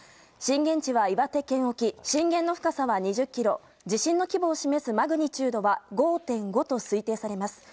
震源地は岩手県沖震源の深さは２０ｋｍ地震の規模を示すマグニチュードは５．５と推定されます。